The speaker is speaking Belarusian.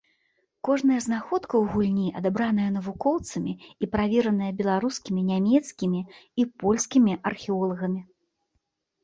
Кожная знаходка ў гульні адабраная навукоўцамі і правераная беларускімі, нямецкімі і польскімі археолагамі.